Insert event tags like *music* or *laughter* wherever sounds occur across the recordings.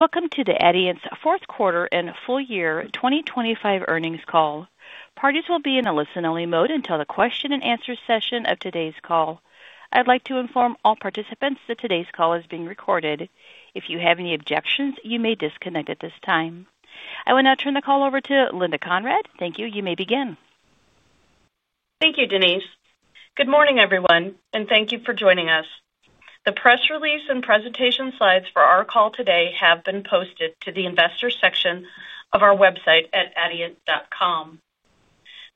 Welcome to Adient's fourth quarter and full year 2025 earnings call. Parties will be in a listen only mode until the question and answer session of today's call. I'd like to inform all participants that today's call is being recorded. If you have any objections, you may disconnect at this time. I will now turn the call over to Linda Conrad. Thank you. You may begin. Thank you, Denise. Good morning everyone and thank you for joining us. The press release and presentation slides for our call today have been posted to the Investors section of our website at adient.com.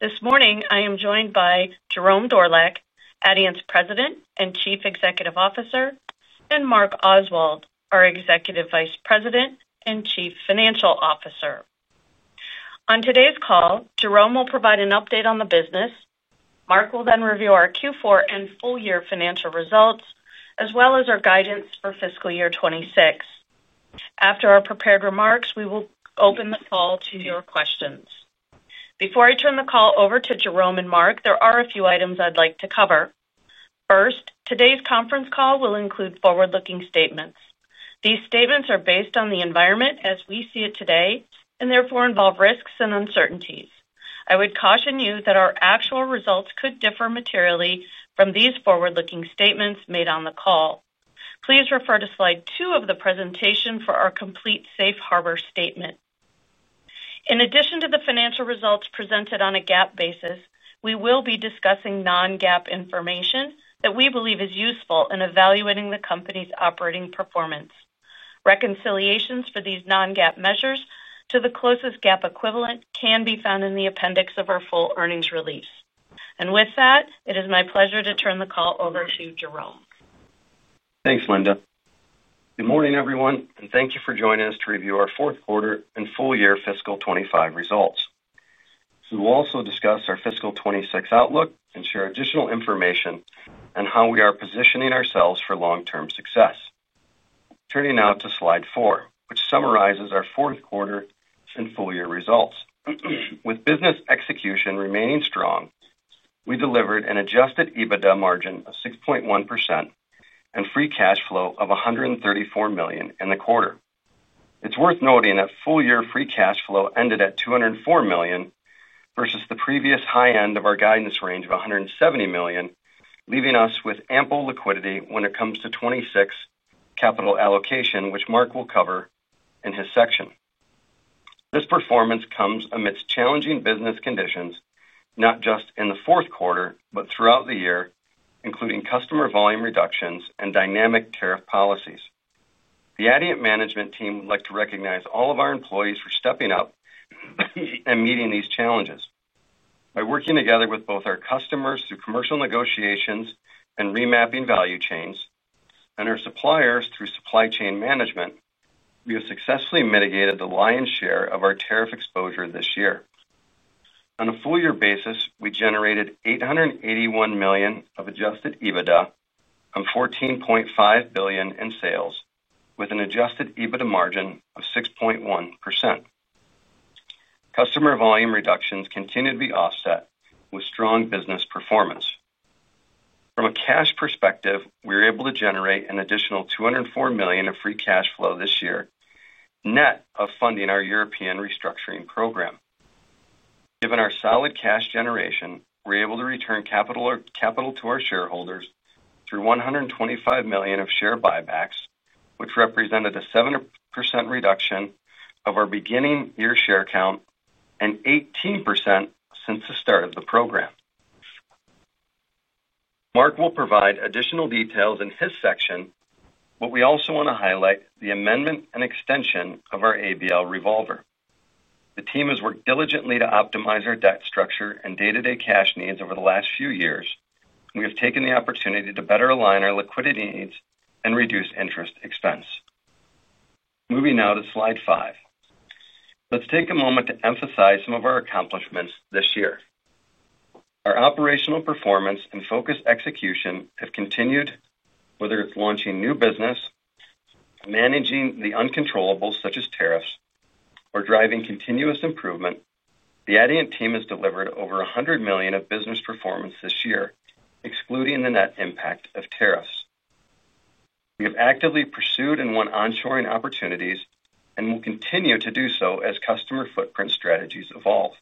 This morning I am joined by Jerome Dorlack, Adient's President and Chief Executive Officer, and Mark Oswald, our Executive Vice President and Chief Financial Officer. On today's call, Jerome will provide an update on the business. Mark will then review our Q4 and full year financial results as well as our guidance for fiscal year 2026. After our prepared remarks, we will open the call to your questions. Before I turn the call over to Jerome and Mark, there are a few items I'd like to cover. First, today's conference call will include forward looking statements. These statements are based on the environment as we see it today and therefore involve risks and uncertainties. I would caution you that our actual results could differ materially from these forward looking statements made on the call. Please refer to slide 2 of the presentation for our complete Safe Harbor Statement. In addition to the financial results presented on a GAAP basis, we will be discussing non-GAAP information that we believe is useful in evaluating the company's operating performance. Reconciliations for these non-GAAP measures to the closest GAAP equivalent can be found in the appendix of our full earnings release. It is my pleasure to turn the call over to Jerome. Thanks Linda. Good morning everyone and thank you for joining us to review our fourth quarter and full year fiscal 2025 results. We will also discuss our fiscal 2026 outlook and share additional information and how we are positioning ourselves for long term success. Turning now to Slide 4 which summarizes our fourth quarter and full year results. With business execution remaining strong, we delivered an adjusted EBITDA margin of 6.1% and free cash flow of $134 million in the quarter. It's worth noting that full year free cash flow ended at $204 million versus the previous high end of our guidance range of $170 million, leaving us with ample liquidity when it comes to 2026 capital allocation, which Mark will cover in his section. This performance comes amidst challenging business conditions not just in the fourth quarter but throughout the year, including customer volume reductions and dynamic tariff policies. The Adient management team would like to recognize all of our employees for stepping up and meeting these challenges. By working together with both our customers through commercial negotiations and remapping value chains and our suppliers through supply chain management, we have successfully mitigated the lion's share of our tariff exposure this year. On a full year basis, we generated $881 million of adjusted EBITDA and $14.5 billion in sales with an adjusted EBITDA margin of 6.1%. Customer volume reductions continue to be offset with strong business performance. From a cash perspective, we were able to generate an additional $204 million of free cash flow this year net of funding our European restructuring program. Given our solid cash generation, we're able to return capital to our shareholders through $125 million of share buybacks, which represented a 7% reduction of our beginning year share count and 18% since the start of the program. Mark will provide additional details in his section, but we also want to highlight the amendment and extension of our ABL revolver. The team has worked diligently to optimize our debt structure and day to day cash needs over the last few years. We have taken the opportunity to better align our liquidity needs and reduce interest expense. Moving now to slide five, let's take a moment to emphasize some of our accomplishments this year. Our operational performance and focused execution have continued, whether it's launching new business, managing the uncontrollables such as tariffs, or driving continuous improvement. The Adient team has delivered over $100 million of business performance this year, excluding the net impact of tariffs. We have actively pursued and won onshoring opportunities and will continue to do so as customer footprint strategies evolve.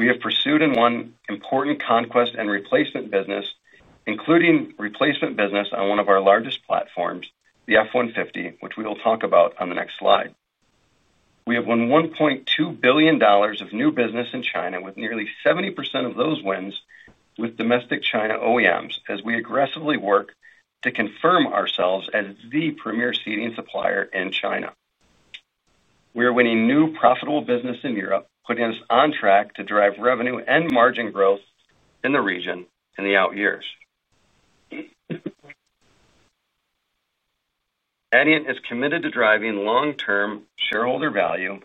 We have pursued and won important conquest and replacement business, including replacement business on one of our largest platforms, the F-150, which we will talk about on the next slide. We have won $1.2 billion of new business in China with nearly 70% of those wins with domestic China OEMs. As we aggressively work to confirm ourselves as the premier seating supplier in China, we are winning new profitable business in Europe, putting us on track to drive revenue and margin growth in the region in the out years. Adient is committed to driving long term shareholder value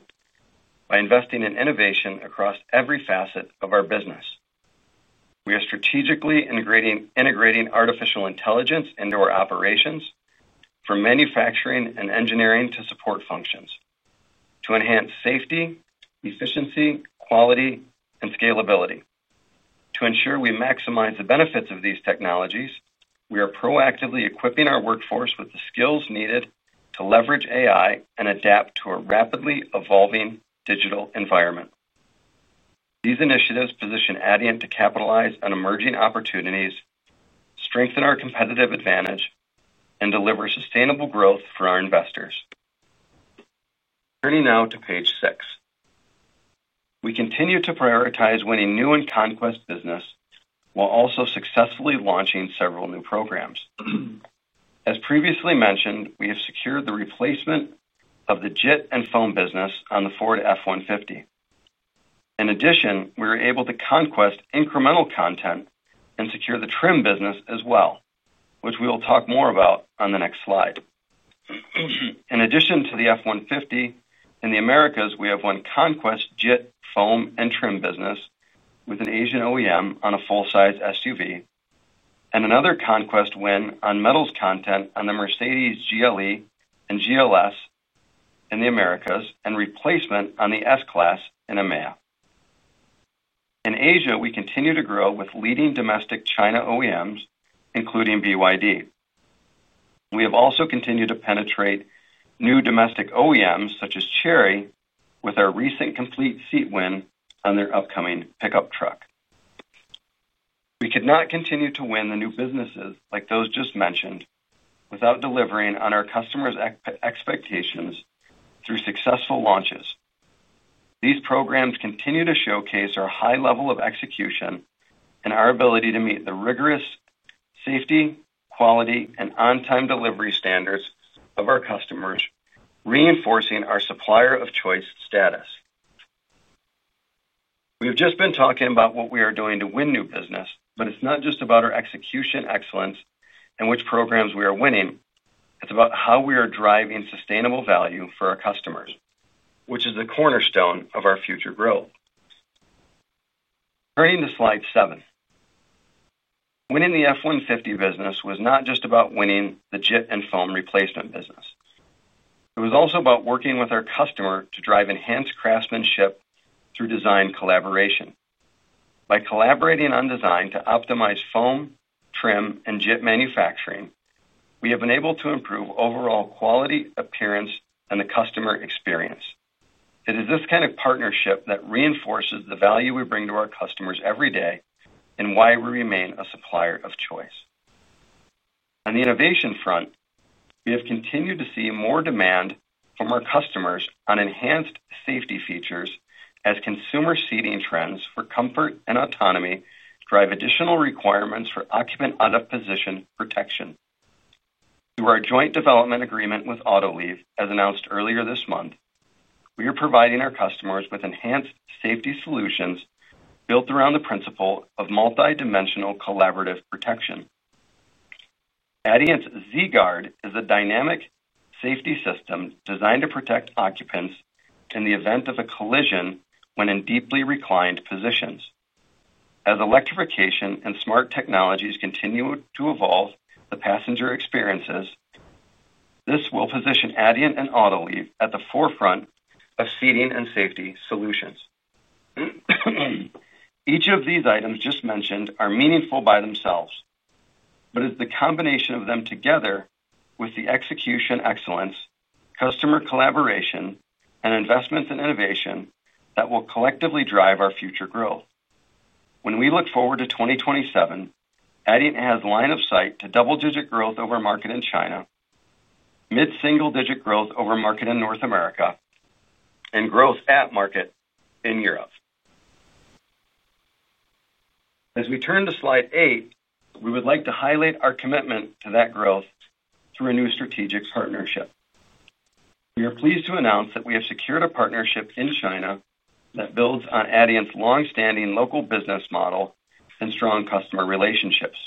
by investing in innovation across every facet of our business. We are strategically integrating artificial intelligence into our operations, from manufacturing and engineering to support functions to enhance safety, efficiency, quality, and scalability. To ensure we maximize the benefits of these technologies, we are proactively equipping our workforce with the skills needed to leverage AI and adapt to a rapidly evolving digital environment. These initiatives position Adient to capitalize on emerging opportunities, strengthen our competitive advantage, and deliver sustainable growth for our investors. Turning now to page six, we continue to prioritize winning new and Conquest business while also successfully launching several new programs. As previously mentioned, we have secured the replacement of the JIT and foam business on the Ford F-150. In addition, we were able to Conquest incremental content and secure the trim business as well, which we will talk more about on the next slide. In addition to the F-150 in the Americas, we have one conquest JIT foam and trim business with an Asian OEM on a full-size SUV and another conquest win on metals content on the Mercedes GLE and GLS in the Americas and replacement on the S-Class in EMEA and Asia. We continue to grow with leading domestic China OEMs including BYD. We have also continued to penetrate new domestic OEMs such as Chery with our recent complete seat win on their upcoming pickup truck. We could not continue to win the new businesses like those just mentioned without delivering on our customers' expectations. Through successful launches, these programs continue to showcase our high level of execution and our ability to meet the rigorous safety, quality, and on-time delivery standards of our customers, reinforcing our supplier of choice status. We have just been talking about what we are doing to win new business, but it's not just about our execution, excellence and which programs we are winning. It's about how we are driving sustainable value for our customers which is the cornerstone of our future growth. Turning to slide 7, winning the F-150 business was not just about winning the JIT and foam replacement business. It was also about working with our customer to drive enhanced craftsmanship through design collaboration. By collaborating on design to optimize foam, trim and JIT manufacturing, we have been able to improve overall quality, appearance and the customer experience. It is this kind of partnership that reinforces the value we bring to our customers every day and why we remain a supplier of choice. On the innovation front, we have continued to see more demand from our customers on enhanced safety features as consumer seating trends for comfort and autonomy drive additional requirements for occupant out of position protection. Through our joint development agreement with Autoliv as announced earlier this month, we are providing our customers with enhanced safety solutions built around the principle of multidimensional collaborative protection. Adient's Z-Guard is a dynamic safety system designed to protect occupants in the event of a collision when in deeply reclined positions. As electrification and smart technologies continue to evolve the passenger experiences, this will position Adient and Autoliv at the forefront. Seating and Safety Solutions, each of these items just mentioned are meaningful by themselves, but it's the combination of them, together with the execution, excellence, customer collaboration, and investments in innovation that will collectively drive our future growth. When we look forward to 2027, Adient has line of sight to double digit growth over market in China, mid single digit growth over market in North America, and growth at market in Europe. As we turn to slide 8, we would like to highlight our commitment to that growth through a new strategic partnership. We are pleased to announce that we have secured a partnership in China that builds on Adient's long standing local business model and strong customer relationships.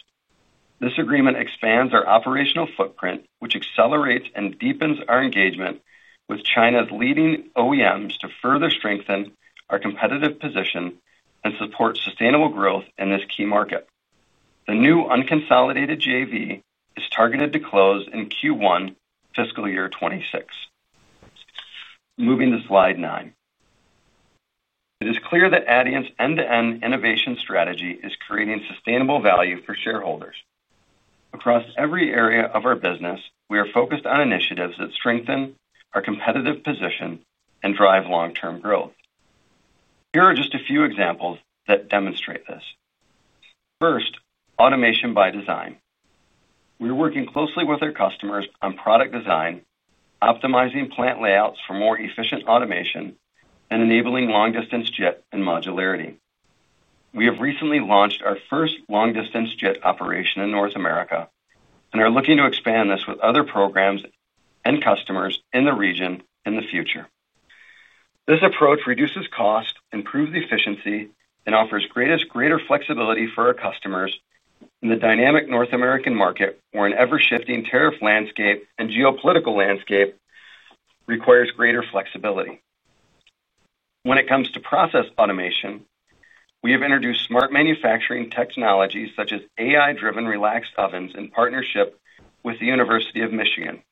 This agreement expands our operational footprint, which accelerates and deepens our engagement with China's leading OEMs to further strengthen our competitive position and support sustainable growth in this key market. The new unconsolidated joint venture is targeted to close in Q1 fiscal year 2026. Moving to slide 9, it is clear that Adient's end to end innovation strategy is creating sustainable value for shareholders across every area of our business. We are focused on initiatives that strengthen our competitive position and drive long term growth. Here are just a few examples that demonstrate this. First, Automation by Design. We are working closely with our customers on product design, optimizing plant layouts for more efficient automation, and enabling long-distance JIT and modularity. We have recently launched our first long-distance JIT operation in North America and are looking to expand this with other programs and customers in the region in the future. This approach reduces cost, improves efficiency, and offers greater flexibility for our customers in the dynamic North American market where an ever shifting tariff landscape and geopolitical landscape requires greater flexibility when it comes to process automation. We have introduced Smart Manufacturing technologies such as AI-driven Relax Ovens in partnership with the University of Michigan,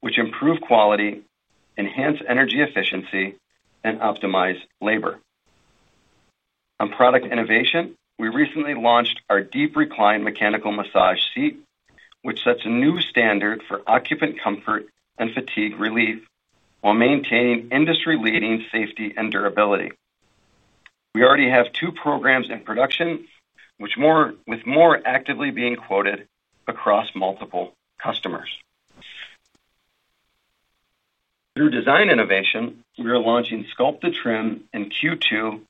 which improve quality, enhance energy efficiency, and optimize labor on product innovation. We recently launched our Deep Recline Mechanical Massage Seat which sets a new standard for occupant comfort and fatigue relief while maintaining industry leading safety and durability. We already have two programs in production with more actively being quoted across multiple customers. Through design innovation, we are launching Sculpted Trim in Q2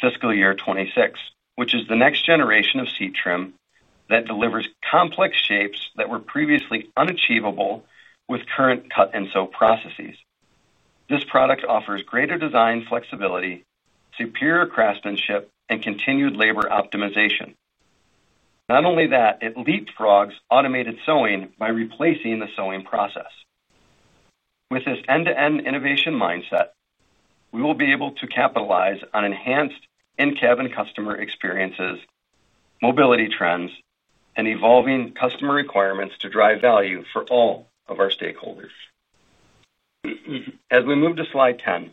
fiscal year 2026 which is the next generation of seat trim that delivers complex shapes that were previously unachievable with current cut and sew processes. This product offers greater design flexibility, superior craftsmanship and continued labor optimization. Not only that, it leapfrogs automated sewing by replacing the sewing process. With this end to end innovation mindset, we will be able to capitalize on enhanced in cabin customer experiences, mobility trends and evolving customer requirements to drive value for all of our stakeholders. As we move to slide 10,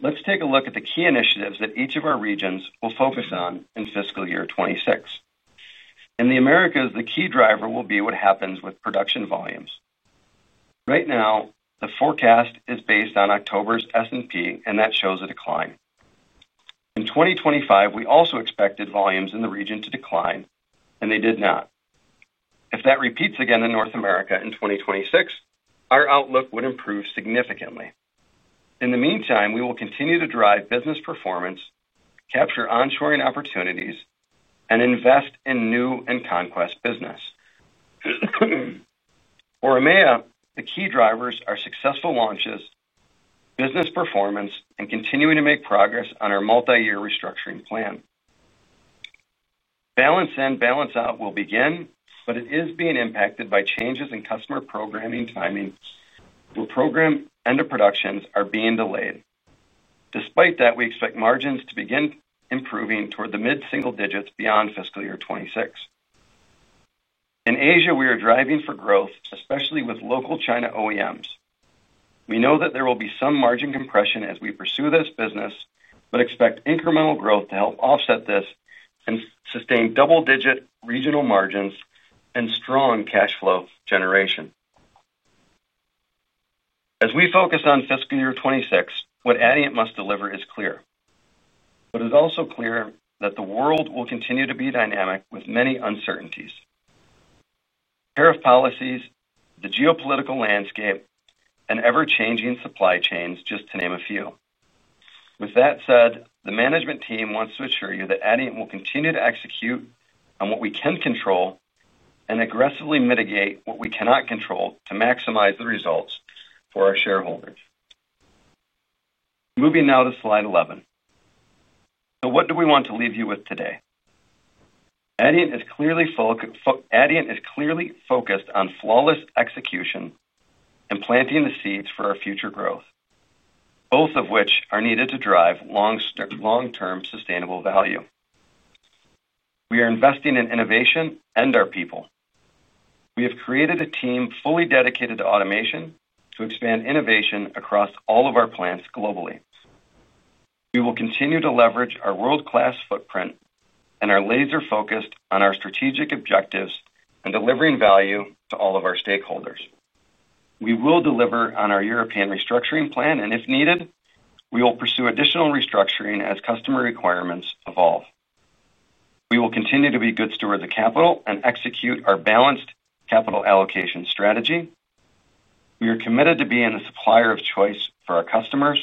let's take a look at the key initiatives that each of our regions will focus on in fiscal year 2026. In the Americas, the key driver will be what happens with production volumes. Right now the forecast is based on October's S&P and that shows a decline in 2025. We also expected volumes in the region to decline and they did not. If that repeats again in North America in 2026, our outlook would improve significantly. In the meantime, we will continue to drive business performance, capture onshoring opportunities, and invest in new and conquest business. For EMEA, the key drivers are successful launches, business performance, and continuing to make progress on our multi-year restructuring plan. Balance-in, balance-out will begin, but it is being impacted by changes in customer programming timing where program end-of-productions are being delayed. Despite that, we expect margins to begin improving toward the mid single digits beyond fiscal year 2026. In Asia we are driving for growth especially with local China OEMs. We know that there will be some margin compression as we pursue this business, but expect incremental growth to help offset this and sustain double digit regional margins and strong cash flow generation as we focus on fiscal year 2026. What Adient must deliver is clear, but it is also clear that the world will continue to be dynamic with many uncertainties, tariff policies, the geopolitical landscape and ever changing supply chains, just to name a few. With that said, the management team wants to assure you that Adient will continue to execute on what we can control and aggressively mitigate what we cannot control to maximize the results for our shareholders. Moving now to slide 11, so what do we want to leave you with today? Adient is clearly focused on flawless execution and planting the seeds for our future growth, both of which are needed to drive long term sustainable value. We are investing in innovation and our people. We have created a team fully dedicated to automation to expand innovation across all of our plants globally. We will continue to leverage our world class footprint and are laser focused on our strategic objectives and delivering value to all of our stakeholders. We will deliver on our European restructuring plan, and if needed, we will pursue additional restructuring as customer requirements evolve. We will continue to be good stewards of capital and execute our balanced capital allocation strategy. We are committed to being a supplier of choice for our customers.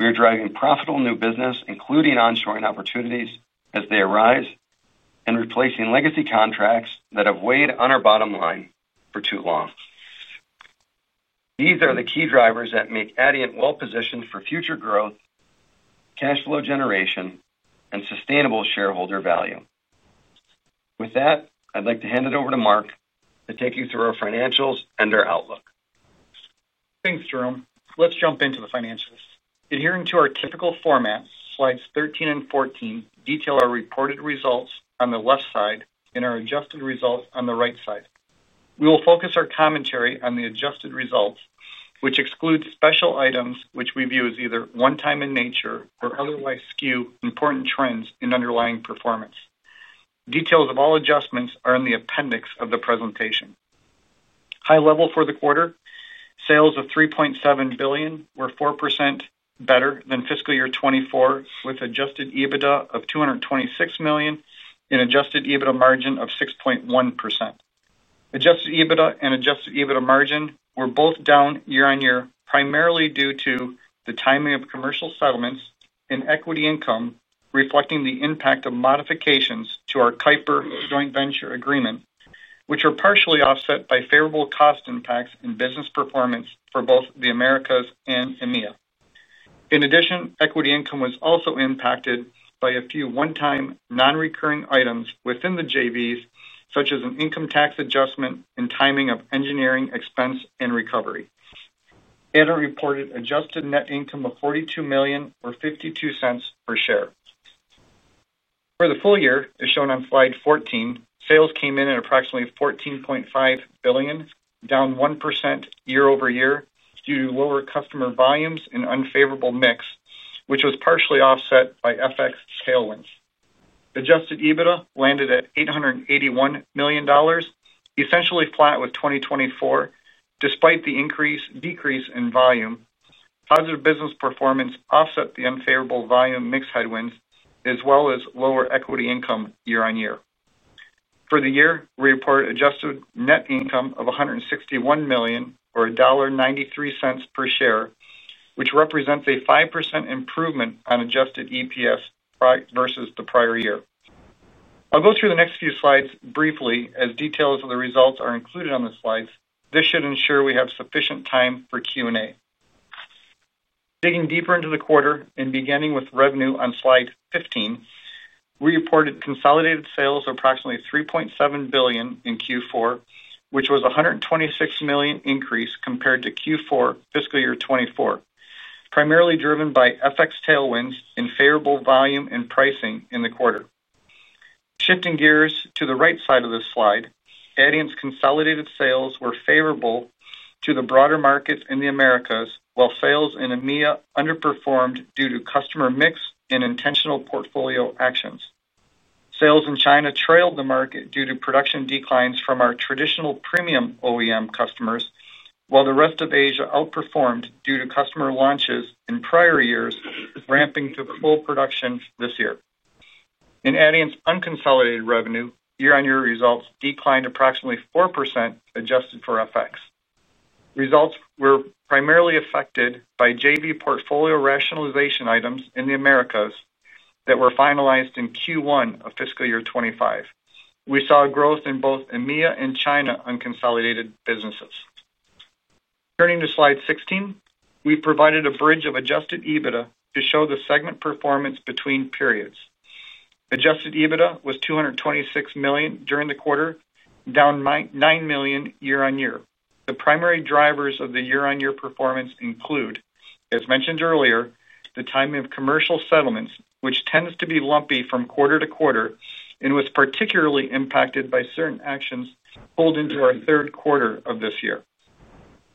We are driving profitable new business including onshoring opportunities as they arise and replacing legacy contracts that have weighed on our bottom line for too long. These are the key drivers that make Adient well positioned for future growth, cash flow generation and sustainable shareholder value. With that, I'd like to hand it over to Mark to take you through our financials and our outlook. Thanks, Jerome. Let's jump into the financials. Adhering to our typical format, slides 13 and 14 detail our reported results on the left side and our adjusted results on the right side. We will focus our commentary on the adjusted results, which exclude special items which we view as either one time in nature or otherwise skew important trends in underlying performance. Details of all adjustments are in the appendix of the presentation. High level for the quarter, sales of $3.7 billion were 4% better than fiscal year 2024 with adjusted EBITDA of $226 million and adjusted EBITDA margin of 6.1%. Adjusted EBITDA and adjusted EBITDA margin were both down year on year primarily due to the timing of commercial settlements in equity income, reflecting the impact of modifications to our Kuiper Joint Venture Agreement, which are partially offset by favorable cost impacts in business performance for both the Americas and EMEA. In addition, equity income was also impacted by a few one-time non-recurring items within the JVs such as an income tax adjustment and timing of engineering expense and recovery and a reported adjusted net income of $42 million or $0.52 per share for the full year. As shown on slide 14, sales came in at approximately $14.5 billion, down 1% year over year due to lower customer volumes and unfavorable mix which was partially offset by FX tailwinds. Adjusted EBITDA landed at $881 million, essentially flat with 2024 despite the increase decrease in volume, positive business performance offset the unfavorable volume mix, headwinds as well as lower equity income year on year. For the year we reported adjusted net income of $161 million or $1.93 per share, which represents a 5% improvement on adjusted EPS versus the prior year. I'll go through the next few slides briefly as details of the results are included on the slides. This should ensure we have sufficient time for Q and A digging deeper into the quarter and beginning with revenue on Slide 15, we reported consolidated sales of approximately $3.7 billion in Q4, which was a $126 million increase compared to Q4 fiscal year 2024, primarily driven by FX tailwinds and favorable volume and pricing in the quarter. Shifting gears to the right side of this slide, Adient's consolidated sales were favorable to the broader markets in the Americas, while sales in EMEA underperformed due to customer mix and intentional portfolio actions. Sales in China trailed the market due to production declines from our traditional premium OEM customers, while the rest of Asia outperformed due to customer launches in prior years, ramping to full production this year. In Adient's unconsolidated revenue, year on year results declined approximately 4% adjusted for FX. Results were primarily affected by JV portfolio rationalization items in the Americas that were finalized in Q1 of fiscal year 2025, we saw growth in both EMEA and China unconsolidated businesses. Turning to slide 16, we provided a bridge of adjusted EBITDA to show the segment performance between periods. Adjusted EBITDA was $226 million during the quarter, down $9 million year on year. The primary drivers of the year on year performance include, as mentioned earlier, the timing of commercial settlements, which tends to be lumpy from quarter to quarter and was particularly impacted by certain actions pulled into our third quarter of this year.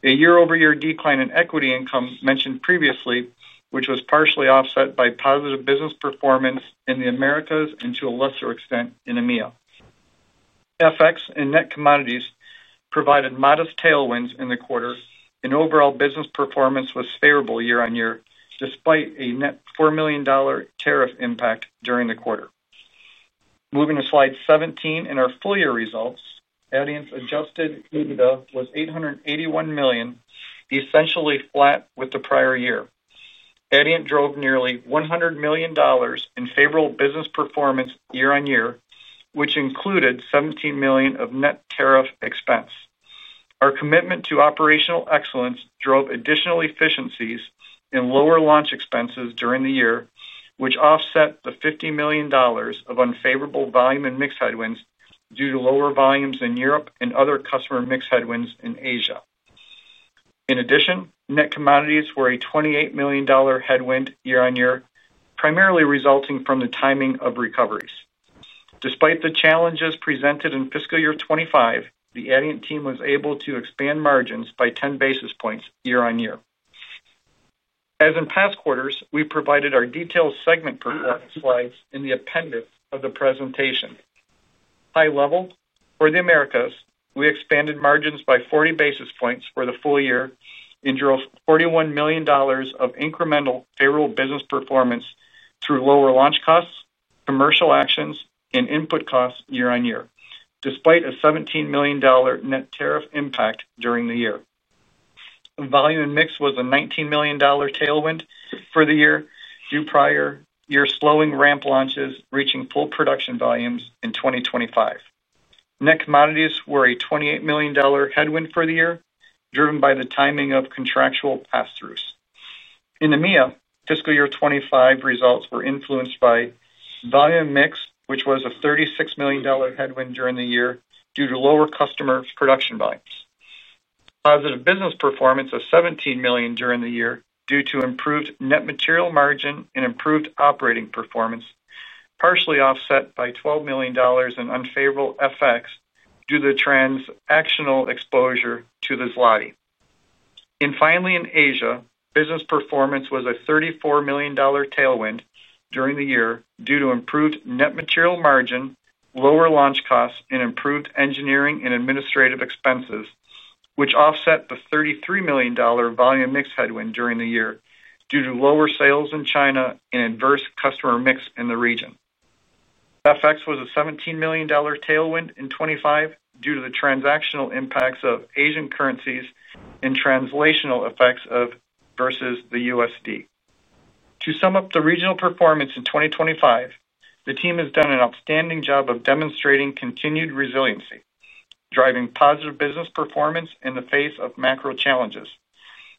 A year over year decline in equity income mentioned previously, which was partially offset by positive business performance in the Americas and to a lesser extent in EMEA. FX and net commodities provided modest tailwinds in the quarter, and overall business performance was favorable year on year despite a net $4 million tariff impact during the quarter. Moving to Slide 17 in our full year results, Adient's adjusted EBITDA was $881 million, essentially flat with the prior year. Adient drove nearly $100 million in favorable business performance year on year, which included $17 million of net tariff expense. Our commitment to operational excellence drove additional efficiencies and lower launch expenses during the year, which offset the $50 million of unfavorable volume and mix headwinds due to lower volumes in Europe and other customer mix headwinds in Asia. In addition, net commodities were a $28 million headwind year on year, primarily resulting from the timing of recoveries. Despite the challenges presented in fiscal year 2025, the Adient team was able to expand margins by 10 basis points year on year. As in past quarters, we provided our detailed segment performance slides in the appendix of the presentation. High level for the Americas, we expanded margins by 40 basis points for the full year and drove $41 million of incremental favorable business performance through lower launch costs, commercial actions, and input costs year on year despite a $17 million net tariff impact during the year. Volume and mix was a $19 million tailwind for the year due to prior year, slowing ramp launches reaching full production volumes in 2025. Net commodities were a $28 million headwind for the year driven by the timing of contractual pass throughs. In EMEA, fiscal year 2025 results were influenced by volume mix, which was a $36 million headwind during the year due to lower customer production volumes, positive business performance of $17 million during the year due to improved net material margin and improved operating performance, partially offset by $12 million in unfavorable FX due to transactional exposure to the zloty. Finally, in Asia, business performance was a $34 million tailwind during the year due to improved net material margin, lower launch costs, and improved engineering and administrative expenses, which offset the $33 million volume mix headwind during the year due to lower sales in China and adverse customer mix in the region. FX was a $17 million tailwind in 2025 due to the transactional impacts of Asian currencies and translational effects versus the USD. To sum up the regional performance in 2025, the team has done an outstanding job of demonstrating continued resiliency, driving positive business performance in the face of macro challenges.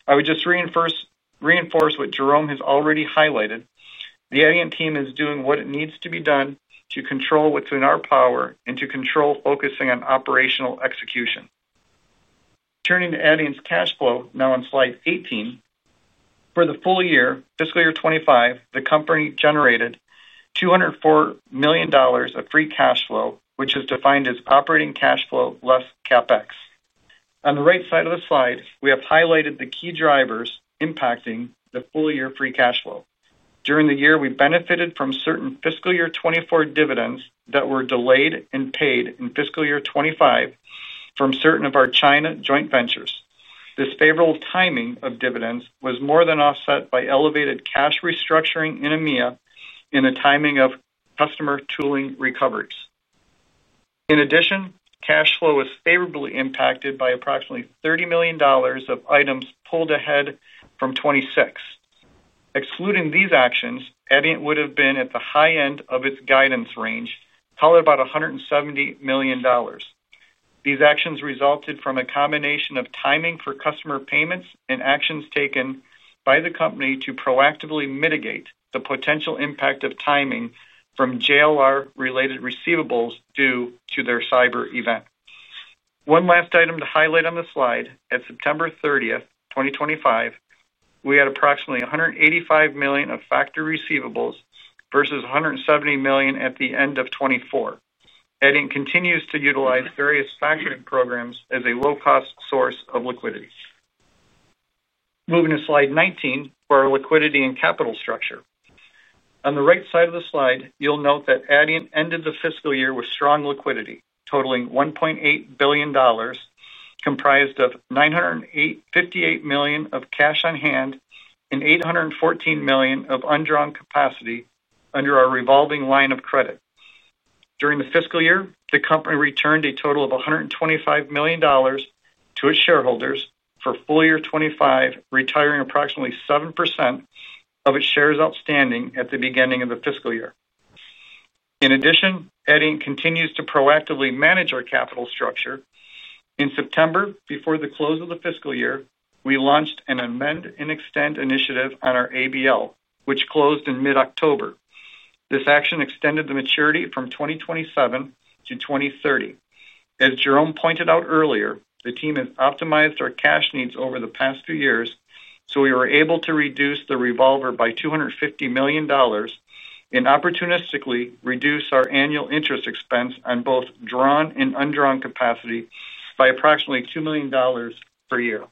I would just reinforce what Jerome has already highlighted. The Adient team is doing what needs to be done to control what is in our power and to control focusing on operational execution. Turning to Adient's cash flow now on Slide 18 for the full year fiscal year 2025, the company generated $204 million of free cash flow which is defined as operating cash flow less CapEx. On the right side of the slide, we have highlighted the key drivers impacting the full year free cash flow. During the year, we benefited from certain fiscal year 2024 dividends that were delayed and paid in fiscal year 2025 from certain of our China joint ventures. This favorable timing of dividends was more than offset by elevated cash restructuring in EMEA and the timing of customer tooling recoveries. In addition, cash flow was favorably impacted by approximately $30 million of items pulled-ahead from 2026. Excluding these actions, Adient would have been at the high end of its guidance range, call it about $170 million. These actions resulted from a combination of timing for customer payments and actions taken by the company to proactively mitigate the potential impact of timing from Jaguar Land Rover related receivables due to their cyber event. One last item to highlight on the slide, at September 30, 2025, we had approximately $185 million of factored receivables versus $170 million at the end of 2024. Adient continues to utilize various factoring programs as a low-cost source of liquidity. Moving to Slide 19 for our liquidity and capital structure. On the right side of the slide, you'll note that Adient ended the fiscal year with strong liquidity totaling $1.8 billion, comprised of $958 million of cash on hand and $814 million of undrawn capacity under our revolving line of credit. During the fiscal year, the company returned a total of $125 million to its shareholders for full year 2025, retiring approximately 7% of its shares outstanding at the beginning of the fiscal year. In addition, Adient continues to proactively manage our capital structure. In September, before the close of the fiscal year, we launched an amend and extend initiative on our ABL revolver which closed in mid October. This action extended the maturity from 2027 to 2030. As Jerome pointed out earlier, the team has optimized our cash needs over the past few years, so we were able to reduce the revolver by $250 million and opportunistically reduce our annual interest expense on both drawn and undrawn capacity by approximately $2 million per year.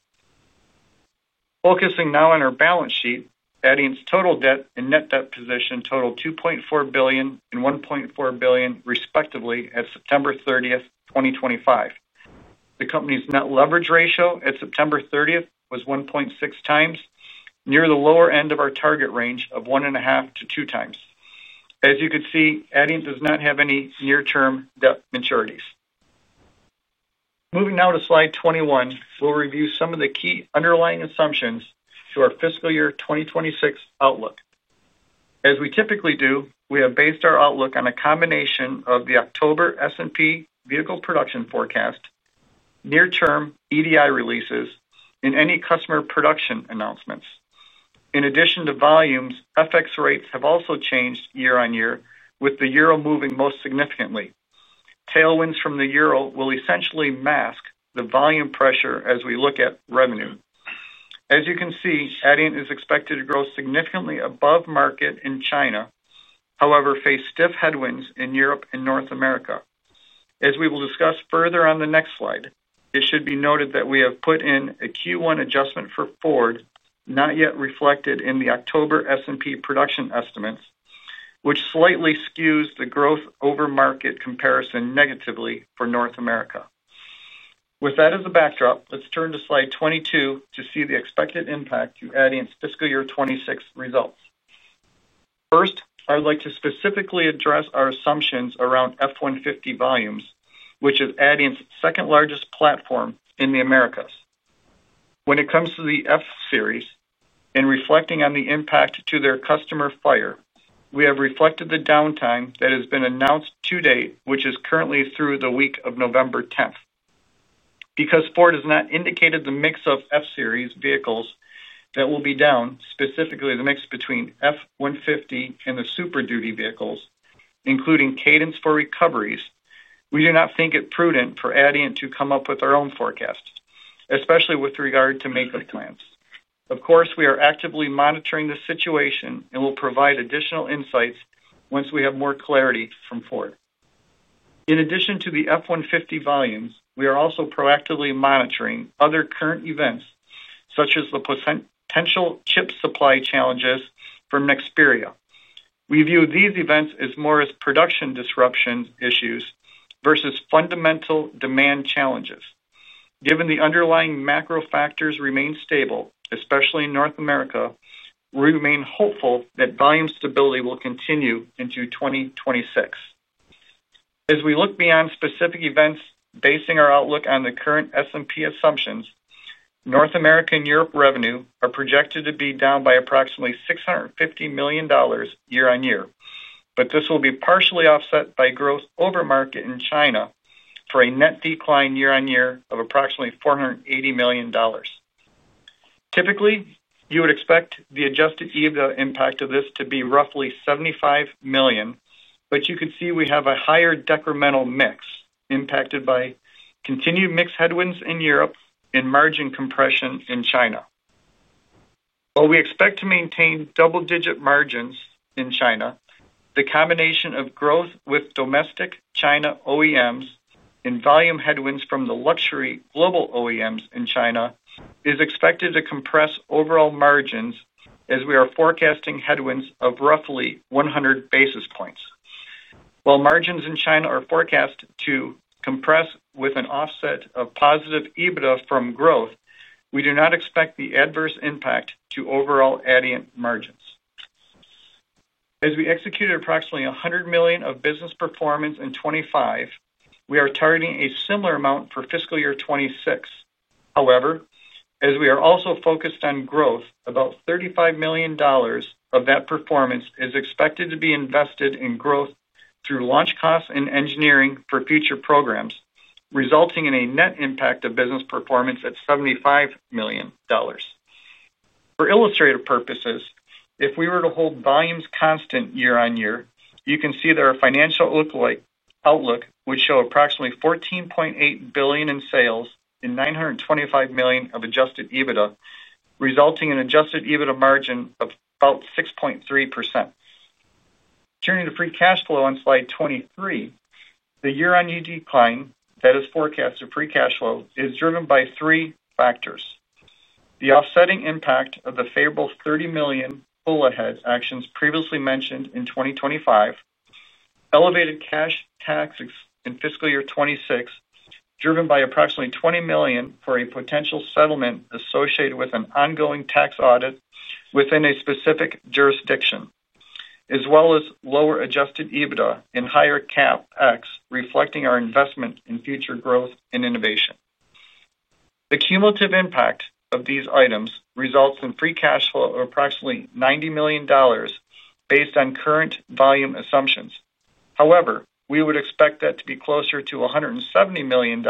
Focusing now on our balance sheet, Adient's total debt and net debt position totaled $2.4 billion and $1.4 billion respectively at September 30, 2025. The company's net leverage ratio at September 30 was 1.6 times, near the lower end of our target range of 1.5-2 times. As you can see, Adient does not have any near-term debt maturities. Moving now to slide 21, we'll review some of the key underlying assumptions to our fiscal year 2026 outlook. As we typically do, we have based our outlook on a combination of the October S&P vehicle production forecast, near-term EDI releases, and any customer production announcements. In addition to volumes, FX rates have also changed year on year, with the euro moving most significantly. Tailwinds from the euro will essentially mask the volume pressure as we look at revenue. As you can see, Adient is expected to grow significantly above market in China, however faced stiff headwinds in Europe and North America. As we will discuss further on the next slide, it should be noted that we have put in a Q1 adjustment for Ford, not yet reflected in the October S&P production estimates, which slightly skews the growth over market comparison negatively for North America. With that as a backdrop, let's turn to Slide 22 to see the expected impact to adding fiscal year 2026 results. First, I would like to specifically address our assumptions around F-150 volumes, which is Adient's second largest platform in the Americas when it comes to the F Series and reflecting on the impact to their customer Ford. We have reflected the downtime that has been announced to date, which is currently through the week of November 10. Because Ford has not indicated the mix of F Series vehicles that will be down, specifically the mix between F-150 and the Super Duty vehicles including cadence for recoveries, we do not think it prudent for Adient to come up with our own forecast, especially with regard to make up plans. Of course we are actively monitoring the situation and will provide additional insights once we have more clarity from Ford. In addition to the F-150 volumes, we are also proactively monitoring other current events such as the potential chip supply challenges from Nexperia. We view these events as more as production disruption issues versus fundamental demand challenges. Given the underlying macro factors remain stable, especially in North America, we remain hopeful that volume stability will continue into 2026 as we look beyond specific events basing our outlook on the current S&P assumptions. North America and Europe revenue are projected to be down by approximately $650 million year on year, but this will be partially offset by growth over market in China for a net decline year on year of approximately $480 million. Typically, you would expect the adjusted EBITDA impact of this to be roughly $75 million, but you could see we have a higher decremental mix impacted by continued mix headwinds in Europe and margin compression in China. While we expect to maintain double-digit margins in China, the combination of growth with domestic China OEMs and volume headwinds from the luxury global OEMs in China is expected to compress overall margins as we are forecasting headwinds of roughly 100 basis points. While margins in China are forecast to compress with an offset of positive EBITDA from growth, we do not expect the adverse impact to overall Adient margins as we executed approximately $100 million of business performance in 2025. We are targeting a similar amount for fiscal year 2026. However, as we are also focused on growth, about $35 million of that performance is expected to be invested in growth through launch costs and engineering for future programs, resulting in a net impact of business performance at $75 million. For illustrative purposes, if we were to hold volumes constant year on year, you can see that our financial outlook would show approximately $14.8 billion in sales and $925 million of adjusted EBITDA resulting in adjusted EBITDA margin of about 6.3%. Turning to free cash flow on slide 23, the year on year decline that is forecasted free cash flow is driven by three factors. The offsetting impact of the favorable $30 million pulled-ahead actions previously mentioned in 2025, elevated cash tax in fiscal year 2026 driven by approximately $20 million for a potential settlement associated with an ongoing tax audit within a specific jurisdiction, as well as lower adjusted EBITDA and higher CapEx, reflecting our investment in future growth and innovation. The cumulative impact of these items results in free cash flow of approximately $90 million based on current volume assumptions. However, we would expect that to be closer to $170 million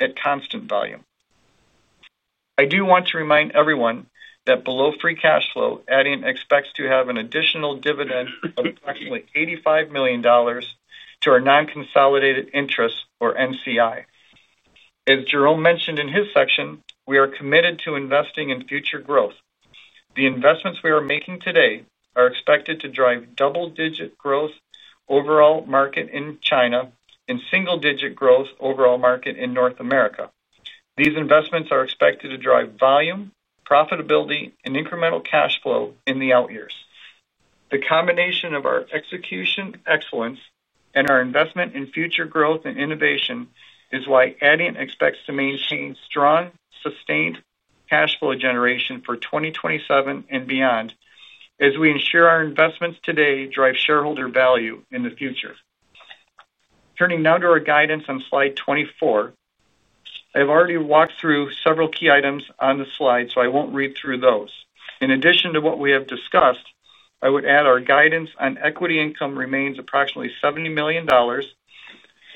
at constant volume. I do want to remind everyone that below free cash flow, Adient expects to have an additional dividend of approximately $85 million to our non consolidated interest or NCI. As Jerome mentioned in his section, we are committed to investing in future growth. The investments we are making today are expected to drive double digit growth overall market in China. In single digit growth overall market in North America. These investments are expected to drive volume, profitability and incremental cash flow in the out years. The combination of our execution excellence and our investment in future growth and innovation is why Adient expects to maintain strong sustained cash flow generation for 2027 and beyond as we ensure our investments today drive shareholder value in the future. Turning now to our guidance on slide 24, I've already walked through several key items on the slide, so I won't read through those. In addition to what we have discussed, I would add our guidance on equity income remains approximately $70 million.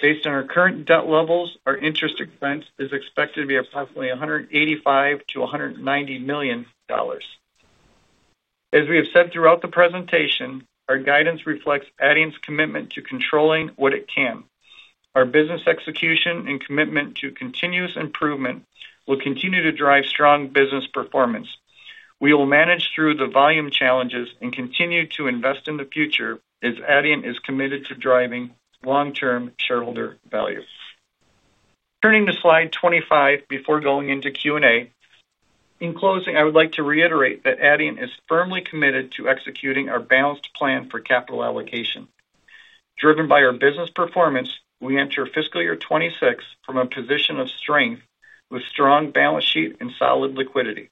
Based on our current debt levels, our interest expense is expected to be approximately $185 million–$190 million. As we have said throughout the presentation, our guidance reflects Adient's commitment to controlling what it can. Our business execution and commitment to continuous improvement will continue to drive strong business performance. We will manage through the volume challenges and continue to invest in the future as Adient is committed to driving long term shareholder value. Turning to slide 25 before going into Q and A. In closing, I would like to reiterate that Adient is firmly committed to executing our balanced plan for capital allocation driven by our business performance. We enter fiscal year 2026 from a position of strength with strong balance sheet and solid liquidity.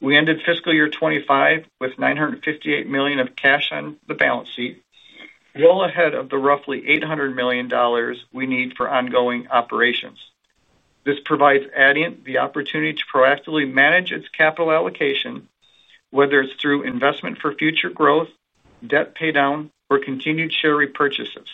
We ended fiscal year 2025 with $958 million of cash on the balance sheet, well ahead of the roughly $800 million we need for ongoing operations. This provides Adient the opportunity to proactively manage its capital allocation, whether it's through investment for future growth, debt pay down or continued share repurchases.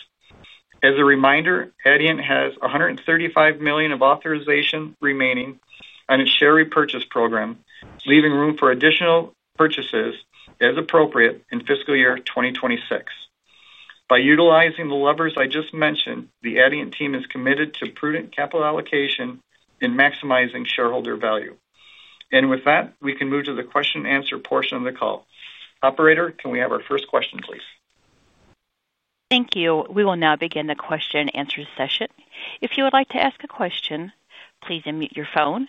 As a reminder, Adient has $135 million of authorization remaining on its share repurchase program, leaving room for additional purchases as appropriate in fiscal year 2026. By utilizing the levers I just mentioned, the Adient team is committed to prudent capital allocation in maximizing shareholder value. With that, we can move to the question and answer portion of the call. Operator, can we have our first question, please? Thank you. We will now begin the question and answer session. If you would like to ask a question, please unmute your phone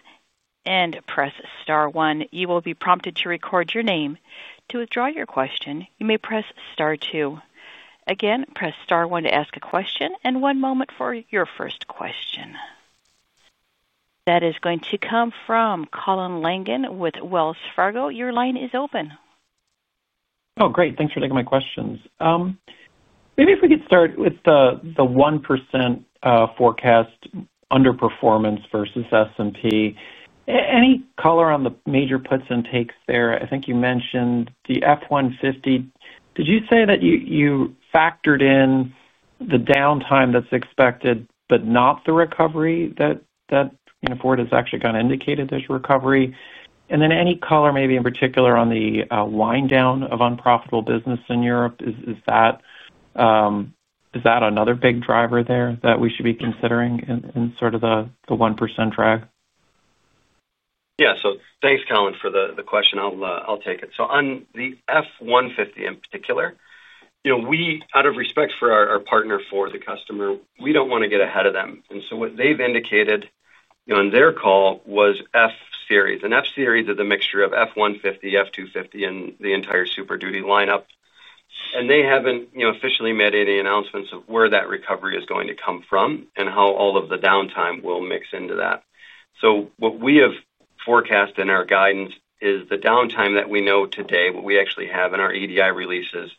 and press Star one. You will be prompted to record your name. To withdraw your question, you may press Star two. Again, press Star one to ask a question and one moment for your first question. That is going to come from Colin Langan with Wells Fargo. Your line is open. Oh, great. Thanks for taking my questions. Maybe if we could start with the 1% forecast underperformance versus S&P. Any color on the major puts and takes there? I think you mentioned the F-150. Did you say that you factored in the downtime that's expected but not the recovery that Ford has actually kind of indicated? There's recovery and then any color maybe in particular on the wind down of unprofitable business in Europe? Is that another big driver there that we should be considering in sort of the 1% drag? Yeah. So thanks, Colin, for the question. I'll take it. On the F-150 in particular, you know, we, out of respect for our partner, for the customer, we don't want to get ahead of them. What they've indicated on their call was F Series. F Series is a mixture of F-150, F-250, and the entire Super Duty lineup. They haven't officially made any announcements of where that recovery is going to come from and how all of the downtime will mix into that. What we have forecast in our guidance is the downtime that we know today, what we actually have in our EDI releases,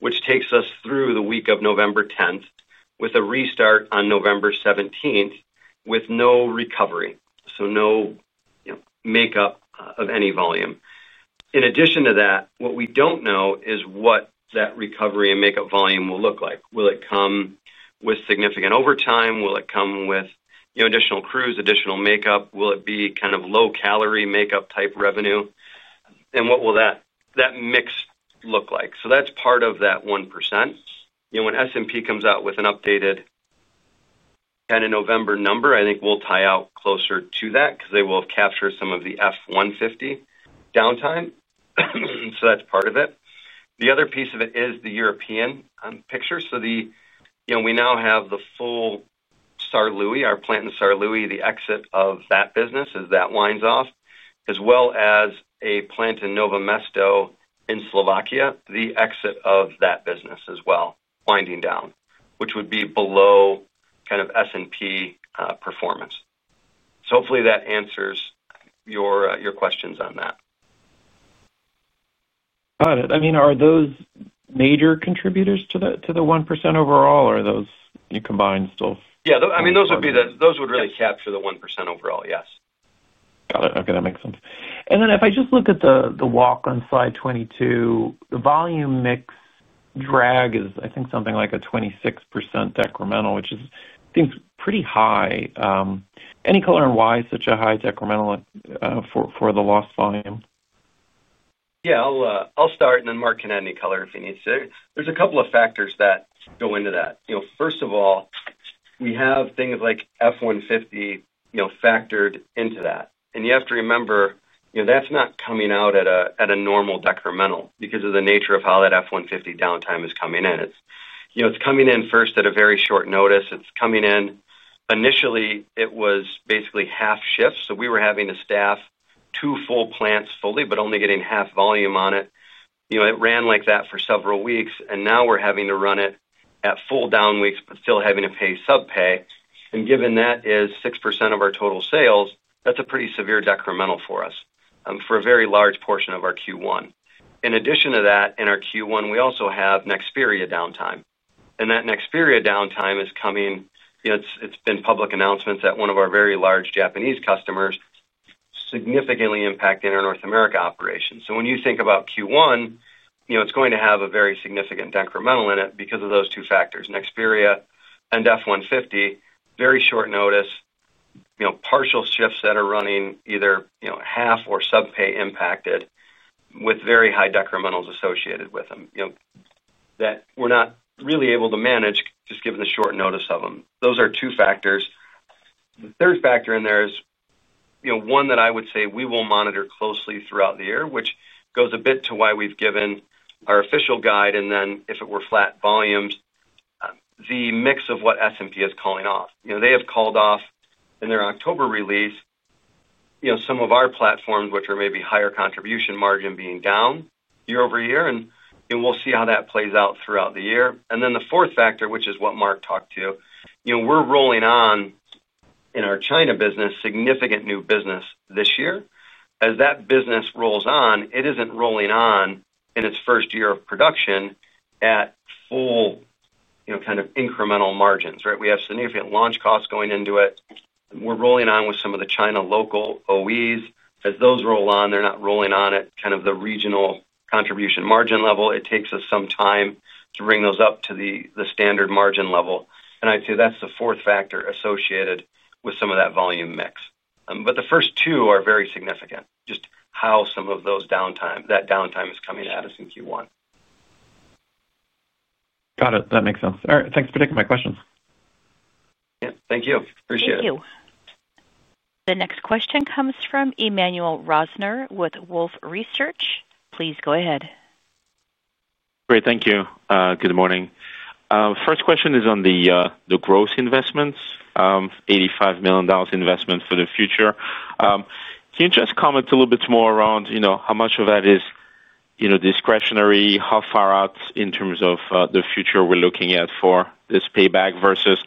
which takes us through the week of November 10 with a restart on November 17 with no recovery, so no makeup of any volume. In addition to that, what we do not know is what that recovery and makeup volume will look like. Will it come with significant overtime? Will it come with additional crews, additional makeup? Will it be kind of low calorie makeup type revenue and what will that mix look like? That is part of that 1% when S&P comes out with an updated kind of November number. I think we will tie out closer to that because they will capture some of the F-150 downtime. That is part of it. The other piece of it is the European picture. The, you know, we now have the full. Our plant in St. Louis, the exit of that business as that winds off, as well as a plant in Novo Mesto in Slovenia, the exit of that business as well, winding down, which would be below kind of S&P performance. Hopefully that answers your questions on that. Got it. I mean, are those major contributors to the 1% overall, or are those combined still? Yeah, I mean, those would really capture the 1% overall. Yes, got it. Okay, that makes sense. If I just look at the walk on slide 22, the volume mix drag is, I think, something like a 26% decremental, which seems pretty high. Any color on why such a high decremental for the lost volume? Yeah, I'll start and then Mark can add any color if he needs to. There's a couple of factors that go into that. First of all, we have things like F-150 factored into that. You have to remember that's not coming out at a normal decremental because of the nature of how that F-150 downtime is coming in. It's, you know, it's coming in first at a very short notice. It's coming in initially, it was basically half shift. We were having to staff two full plants fully, but only getting half volume on it. You know, it ran like that for several weeks. Now we're having to run it at full down weeks but still having to pay sub pay. Given that is 6% of our total sales, that's a pretty severe decremental for us for a very large portion of our Q1. In addition to that, in our Q1 we also have Nexperia downtime. And that Nexperia downtime is coming. It's been public announcements that one of our very large Japanese customers significantly impacting our North America operations. You know, when you think about Q1, it's going to have a very significant decremental in it because of those two factors, Nexperia and F-150, very short notice, partial shifts that are running either in, you know, half or sub pay impacted with very high decrementals associated with them, you know, that we're not really able to manage just given the short notice of them. Those are two factors. The third factor in there is, you know, one that I would say we will monitor closely throughout the year, which goes a bit to why we've given our official guide. If it were flat volumes, the mix of what S&P is calling off, they have called off in their October release some of our platforms which are maybe higher contribution margin being down year over year. We will see how that plays out throughout the year. The fourth factor, which is what Mark talked to. We are rolling on in our China business, significant new business this year. As that business rolls on, it is not rolling on in its first year of production at full kind of incremental margins. We have significant launch costs going into it. We are rolling on with some of the China local OEs. As those roll on, they are not rolling on at the regional contribution margin level. It takes us some time to bring those up to the standard margin level. I'd say that's the fourth factor associated with some of that volume mix. The first two are very significant. Just how some of that downtime is coming at us in Q1. Got it. That makes sense. All right. Thanks for taking my questions. Thank you. Appreciate it. Thank you. The next question comes from Emmanuel Rosner with Wolfe Research. Please go ahead. Great. Thank you. Good morning. First question is on the gross investments. $85 million investment for the future. Can you just comment a little bit? More around how much of that is discretionary, how far out in terms of the future we're looking at for this payback versus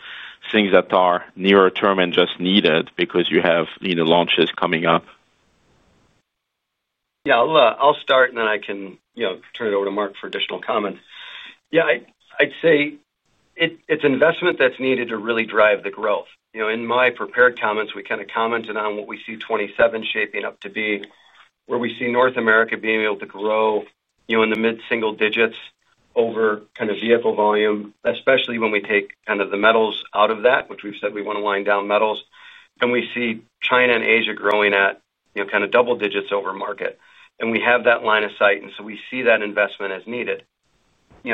things that are nearer term and just needed because you have launches coming up. Yeah, I'll start and then I can turn it over to Mark for additional comments. Yeah, I'd say it's investment that's needed to really drive the growth. In my prepared comments, we kind of commented on what we see 2027 shaping up to be. Where we see North America being able to grow in the mid single digits over kind of vehicle volume, especially when we take the metals out of that, which we've said we want to wind down metals. And we see China and Asia growing at double digits over market and we have that line of sight. And so we see that investment as needed.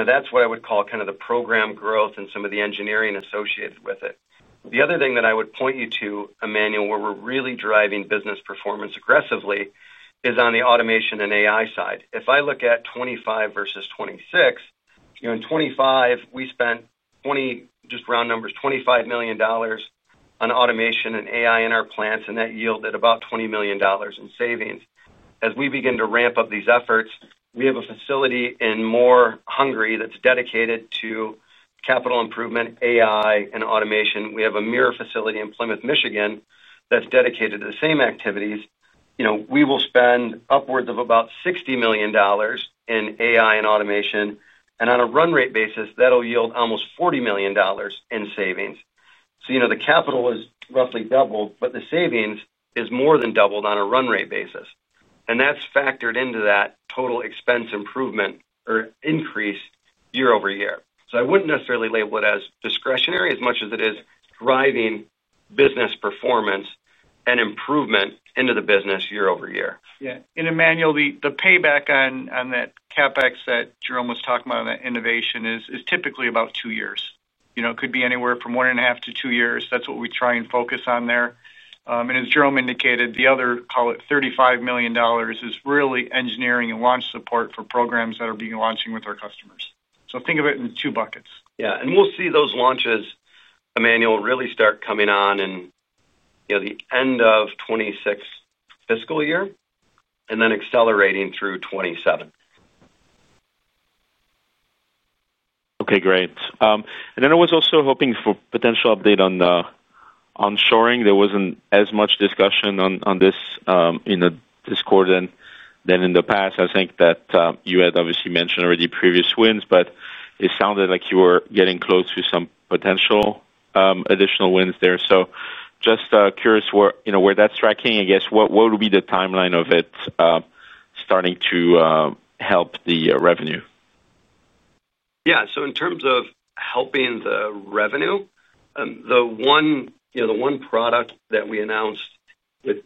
That's what I would call the program growth and some of the engineering associated with it. The other thing that I would point you to, Emmanuel, where we're really driving business performance aggressively, is on the automation and AI side. If I look at 2025 versus 2026, in 2025, we spent, just round numbers, $25 million on automation and AI in our plants, and that yielded about $20 million in savings. As we begin to ramp up these efforts, we have a facility in Mór, Hungary that's dedicated to capital improvement, AI and automation. We have a mirror facility in Plymouth, Michigan that's dedicated to the same activities. We will spend upwards of about $60 million in AI and automation. On a run rate basis, that'll yield almost $40 million in savings. You know, the capital is roughly doubled, but the savings is more than doubled on a run rate basis and that's factored into that total expense improvement or increase year over year. I would not necessarily label it as discretionary as much as it is driving business performance and improvement into the business year over year. Yeah. Emmanuel, the payback on that CapEx that Jerome was talking about on that innovation is typically about two years. You know, it could be anywhere from one and a half to two years. That is what we try and focus on there. As Jerome indicated, the other, call it $35 million, is really engineering and launch support for programs that are being launching with our customers. Think of it in two buckets. Yeah. And we'll see those launches, Emmanuel, really start coming on in the end of 2026 fiscal year and then accelerating through 2027. Okay, great. I was also hoping for a potential update on shoring. There wasn't as much discussion on this in the discussion and than in the past. I think that you had obviously mentioned already previous wins, but it sounded like you were getting close to some potential additional wins there. Just curious where that's tracking, I guess. What would be the timeline of it starting to help the revenue? Yeah. In terms of helping the revenue, the one product that we announced with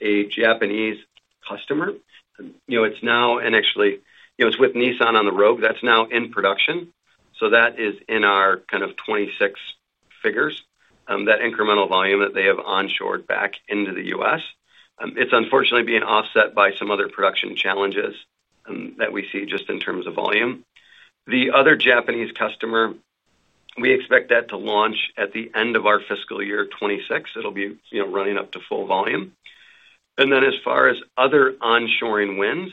a Japanese customer, it's now and actually it's with Nissan on the Rogue that's now in production. That is in our kind of 2026 figures. That incremental volume that they have onshored back into the U.S. is unfortunately being offset by some other production challenges that we see just in terms of volume. The other Japanese customer, we expect that to launch at the end of our fiscal year 2026, it will be running up to full volume. As far as other onshoring wins,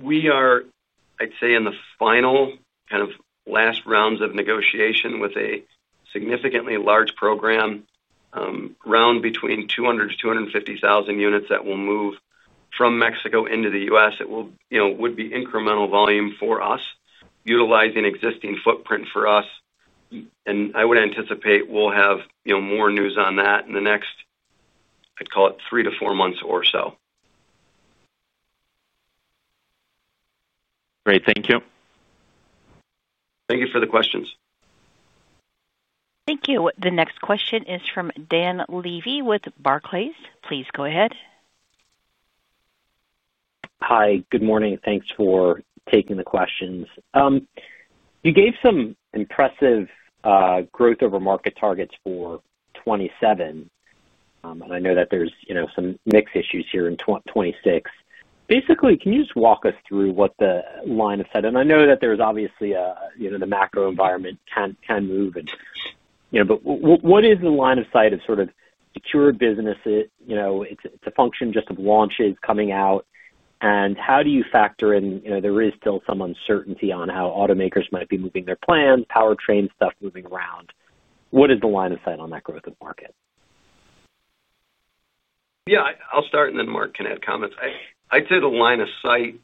we are, I'd say, in the final kind of last rounds of negotiation with a significantly large program round between 200,000-250,000 units that will move from Mexico into the U.S. It would be incremental volume for us, utilizing existing footprint for us. I would anticipate we'll have more news on that in the next, I'd call it, three to four months or so. Great, thank you. Thank you for the questions. Thank you. The next question is from Dan Levy with Barclays. Please go ahead. Hi, good morning. Thanks for taking the questions. You gave some impressive growth over market targets for 2027. I know that there's some mix issues here in 2026 basically. Can you just walk us through what the line of sight, and I know that there's obviously the macro environment can move, but what is the line of sight of sort of secured business? It's a function just of launches coming out. How do you factor in? There is still some uncertainty on how automakers might be moving their plans, powertrain stuff moving around. What is the line of sight on that growth over market? Yeah, I'll start and then Mark can add comments. I'd say the line of sight,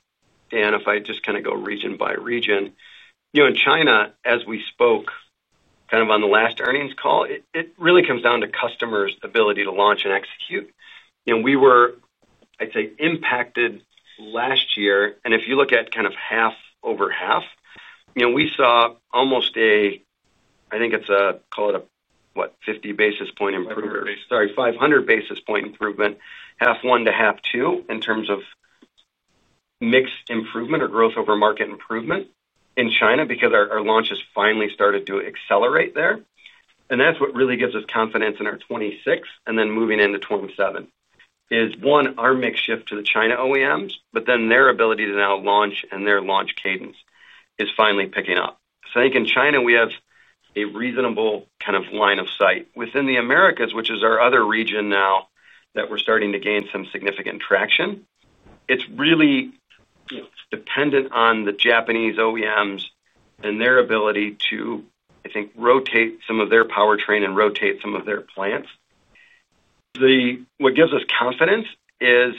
Dan, if I just go region by region in China, as we spoke kind of on the last earnings call, it really comes down to customers' ability to launch and execute. We were, I'd say, impacted last year and if you look at kind of half over half, you know, we saw almost a, I think it's a, call it a what, 50 basis point improvement, sorry, 500 basis point improvement, half one to half two in terms of mix improvement or gross over market improvement in China because our launches finally started to accelerate there and that's what really gives us confidence in our 2026. Moving into 2027 is one, our mix shift to the China OEMs, but then their ability to now launch and their launch cadence is finally picking up. I think in China we have a reasonable kind of line of sight. Within the Americas, which is our other region, now that we're starting to gain some significant traction, it's really dependent on the Japanese OEMs and their ability to, I think, rotate some of their powertrain and rotate some of their plants. What gives us confidence is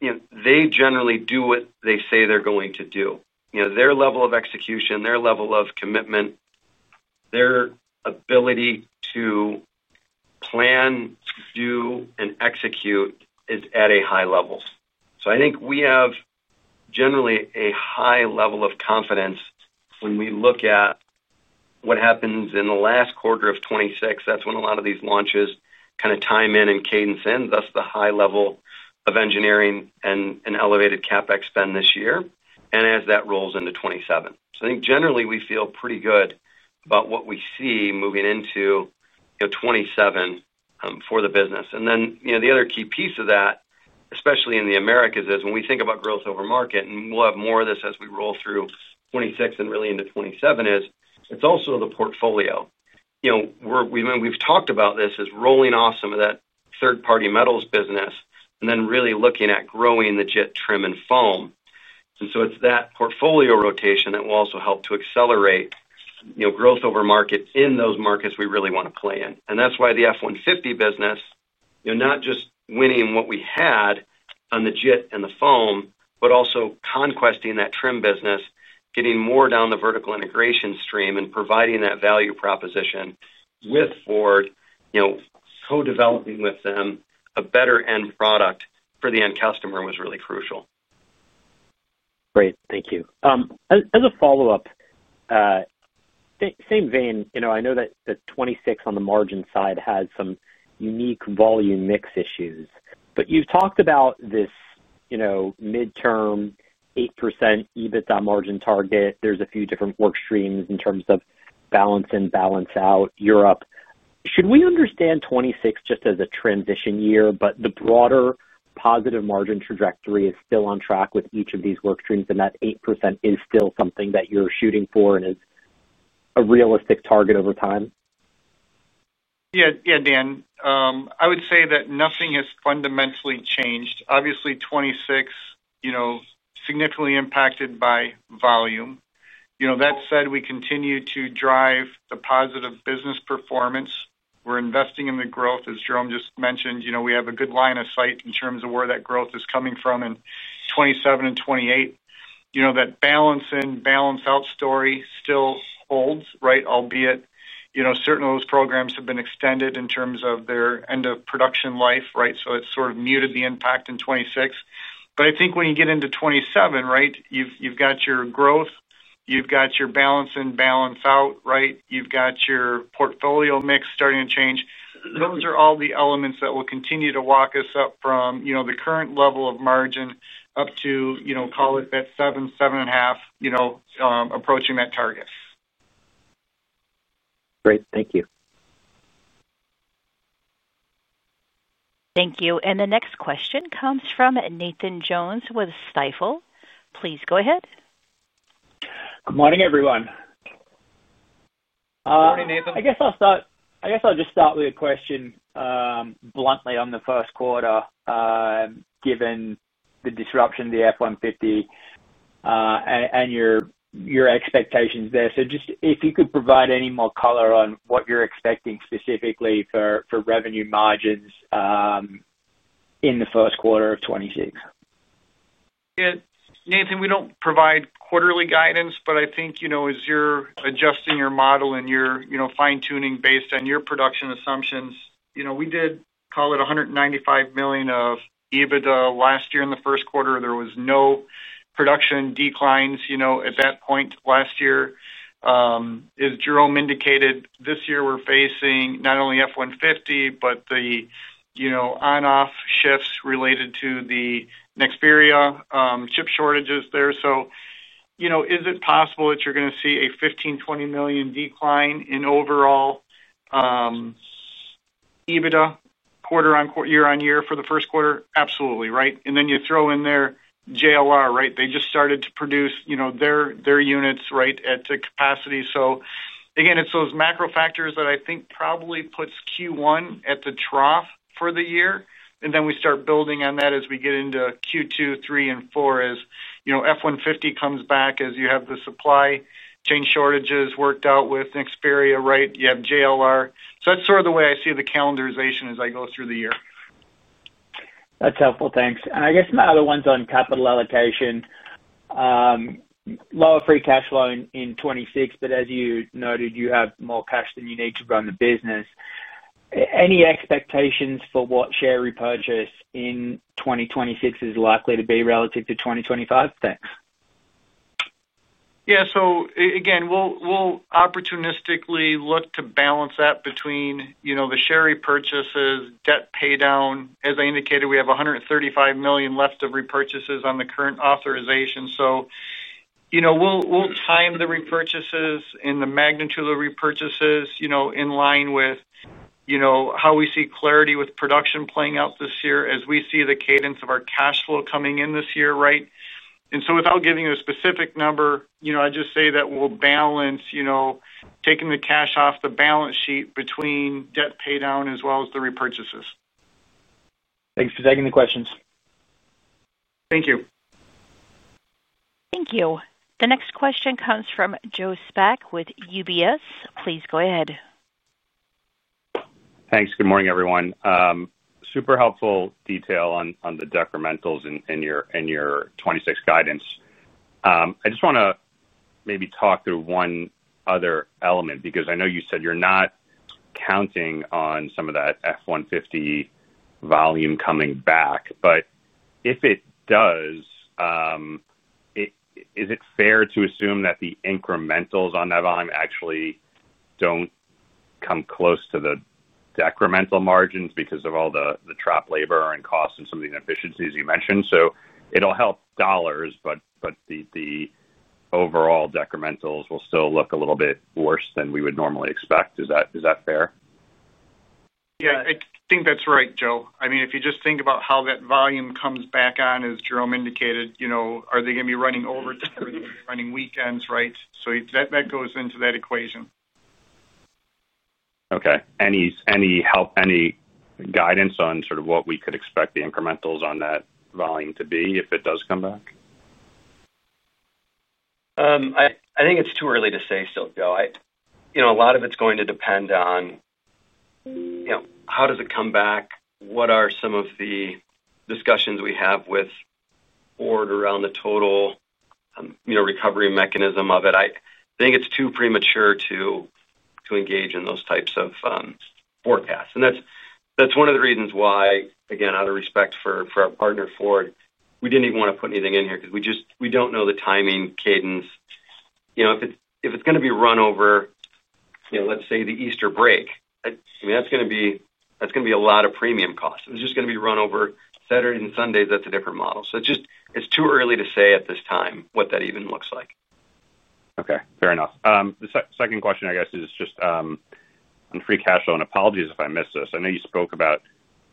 they generally do what they say they're going to do. Their level of execution, their level of commitment, their ability to plan, do, and execute is at a high level. I think we have generally a high level of confidence when we look at what happens in the last quarter of 2026. That's when a lot of these launches kind of time in and cadence in, thus the high level of engineering and elevated CapEx spend this year and as that rolls into 2027. I think generally we feel pretty good about what we see moving into 2027 for the business. The other key piece of that, especially in the Americas, is when we think about growth over market. We will have more of this as we roll through 2026 and really into 2027. It is also the portfolio. We have talked about this as rolling off some of that third party metals business and then really looking at growing the JIT, trim, and foam. It is that portfolio rotation that will also help to accelerate growth over market in those markets we really want to play in. That is why the F-150 business, not just winning what we had on the JIT and the foam, but also conquesting that trim business, getting more down the vertical integration stream and providing that value proposition with Ford, co-developing with them a better end product for the end customer was really crucial. Great, thank you. As a follow up. Same vein, I know that the 2026 on the margin side has some unique volume mix issues, but you've talked about this midterm 8% EBITDA margin target. There's a few different work streams in terms of balance-in, balance-out Europe. Should we understand 2026 just as a transition year, but the broader positive margin trajectory is still on track with each of these work streams. And that 8% is still something that you're shooting for and is a realistic target over time. Yeah, Dan, I would say that nothing has fundamentally changed, obviously. Twenty-six, you know, significantly impacted by volume. You know, that said, we continue to drive the positive business performance. We're investing in the growth, as Jerome just mentioned, you know, we have a good line of sight in terms of where that growth is coming from in twenty-seven and twenty-eight. You know, that balance-in, balance-out story still holds. Right. Albeit, you know, certain of those programs have been extended in terms of their end-of-production life. Right. It's sort of muted the impact in 2026. I think when you get into 2027, right, you've got your growth, you've got your balance-in, balance-out. Right. You've got your portfolio mix starting to change. Those are all the elements that will continue to walk us up from, you know, the current level of margin up to, you know, call it that, 7, 7.5, you know, approaching that target. Great, thank you. Thank you. The next question comes from Nathan Jones with Stifel. Please go ahead. Good morning everyone. I guess I'll just start with a question bluntly on the first quarter, given the disruption, the F-150 and your expectations there. Just if you could provide any more color on what you're expecting specifically for revenue margins in the first quarter of 2016. Nathan, we don't provide quite a quarterly guidance. I think, you know, as you're adjusting your model and you're, you know, fine tuning based on your production assumptions, you know, we did call it $195 million of EBITDA last year in the first quarter. There was no production declines, you know, at that point last year, as Jerome indicated, this year we're facing not only F-150, but the, you know, on off shifts related to the Nexperia chip shortages there. You know, is it possible that you're gonna see a $15 million-$20 million decline in overall EBITDA quarter on quarter, year on year for the first quarter? Absolutely. Right. You throw in there Jaguar Land Rover, right. They just started to produce their units, right, at the capacity. Again, it's those macro factors that I think probably put Q1 at the trough for the year. We start building on that as we get into Q2, 3, and 4. As you know, F-150 comes back as you have the supply chain shortages worked out with Nexperia, right. You have Jaguar Land Rover. That's sort of the way I see the calendarization as I go through the year. That's helpful. Thanks. I guess my other one's on capital allocation. Lower free cash flow in 2026. As you noted, you have more cash than you need to run the business. Any expectations for what share repurchase in 2026 is likely to be relative to 2025? Thanks. Yeah. Again, we'll opportunistically look to balance that between the share repurchases, debt pay down. As I indicated, we have $135 million left of repurchases on the current authorization. We'll time the repurchases and the magnitude of repurchases in line with, you know, how we see clarity with production playing out this year as we see the cadence of our cash flow coming in this year. Right. Without giving you a specific number, you know, I just say that we'll balance, you know, taking the cash off the balance sheet between debt pay down as well as the repurchases. Thanks for taking the questions. Thank you. Thank you. The next question comes from Joe Spak with UBS. Please go ahead. Thanks. Good morning, everyone. Super helpful detail on the decrementals in your 2026 guidance. I just want to maybe talk through one other element because I know you said you're not counting on some of that F-150 volume coming back, but if it does, is it fair to assume that the incrementals on that volume actually don't come close to the decremental margins because of all the trapped labor and costs and some of the inefficiencies you mentioned. It will help dollars, but the overall decrementals will still look a little bit worse than we would normally expect. Is that fair? Yeah, I think that's right, Joe. I mean, if you just think about how that volume comes back on, as Jerome indicated, are they going to be running overtime, running weekends? Right. That goes into that equation. Okay. Any help, any guidance on sort of what we could expect the incrementals on that volume to be if it does come back? I think it's too early to say. Joe, a lot of it's going to depend on how does it come back. What are some of the discussions we have with Ford around the total recovery mechanism of it? I think it's too premature to engage in those types of forecasts. That's one of the reasons why, again, out of respect for our partner Ford, we didn't even want to put anything in here because we just, we don't know the timing, cadence, you know, if it's going to be run over, let's say the Easter break, that's going to be a lot of premium costs. If it was just going to be run over Saturday and Sunday, that's a different model. Just, it's too early to say at this time what that even looks like. Okay, fair enough. The second question, I guess, is just on free cash flow and apologies if I missed this. I know you spoke about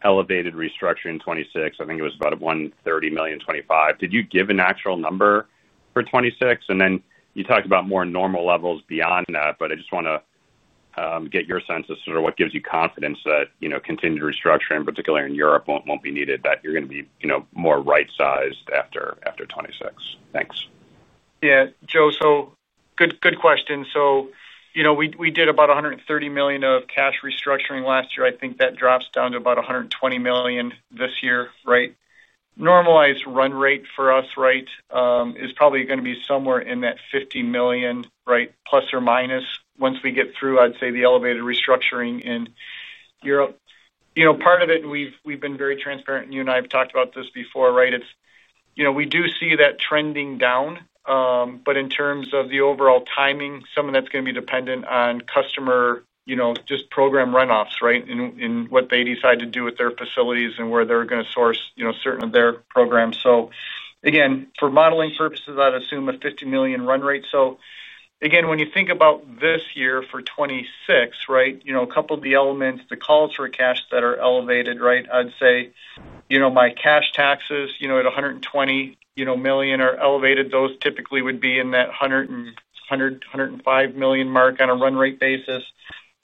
elevated restructuring. Twenty-six. I think it was about $130 million. Twenty-five. Did you give an actual number for twenty-six? And then you talked about more normal levels beyond that. I just want to get your sense of sort of what gives you confidence that, you know, continued restructuring, particularly in Europe, won't be needed, that you're going to be, you know, more. Right. Sized after 26. Thanks. Yeah, Joe, so good question. You know, we did about $130 million of cash restructuring last year. I think that drops down to about $120 million this year. Right. Normalized run rate for us is probably going to be somewhere in that $50 million, plus or minus, once we get through, I'd say, the elevated restructuring and Europe part of it. We've been very transparent, and you and I have talked about this before. You know, we do see that trending down, but in terms of the overall timing, some of that's going to be dependent on customer program runoffs, in what they decide to do with their facilities and where they're going to source certain of their programs. Again, for modeling purposes, I'd assume a $50 million run rate. Again, when you think about this year for 2026. Right. You know, a couple of the elements, the calls for cash that are elevated, right. I'd say my cash taxes at $120 million are elevated. Those typically would be in that $100 million–$105 million mark on a run rate basis.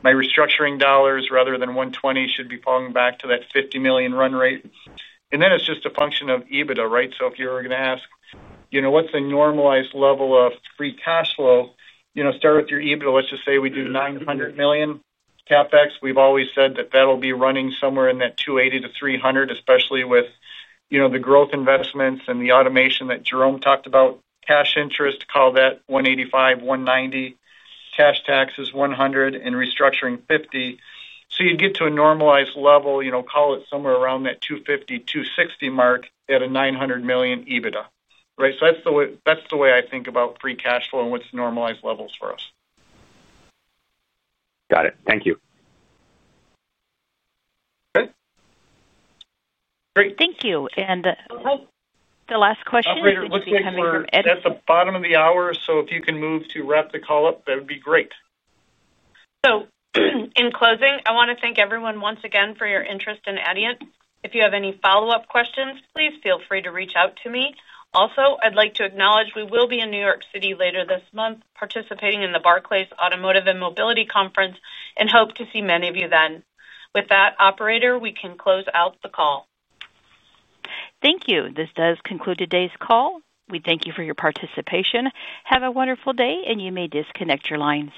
My restructuring dollars rather than $120 million should be falling back to that $50 million run rate. And then it's just a function of EBITDA. Right. If you were going to ask what's the normalized level of free cash flow? Start with your EBITDA. Let's just say we do $900 million capex. We've always said that that'll be running somewhere in that $280-$300 million. Especially with, you know, the growth investments and the automation that Jerome talked about. Cash interest, call that $185-$190 million. Cash tax is $100 million and restructuring $50 million. You'd get to a normalized level, you know, call it somewhere around that $250-$260 million mark at a $900 million EBITDA. Right. That's the way, that's the way I think about free cash flow and what's normalized levels for us. Got it. Thank you. Okay, great. Thank you. The last question at the bottom. *crosstalk* Of the hour, so if you can move to wrap the call up, that would be great. In closing, I want to thank everyone once again for your interest in Adient. If you have any follow up questions, please feel free to reach out to me. Also, I'd like to acknowledge we will be in New York City later this month participating in the Barclays Automotive and Mobility conference and hope to see many of you. With that, operator, we can close out the call. Thank you. This does conclude today's call. We thank you for your participation. Have a wonderful day and you may disconnect your lines.